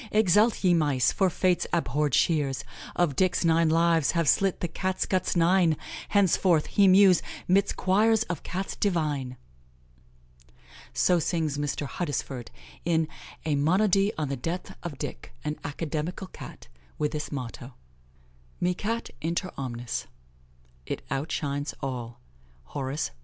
Exult, ye mice! for Fate's abhorred shears Of Dick's nine lives have slit the Cat guts nine; Henceforth he mews 'midst choirs of Cats divine!" So sings Mr. Huddesford, in a "Monody on the death of Dick, an Academical Cat," with this motto: "Mi Cat inter omnes." Hor. Carm., Lib.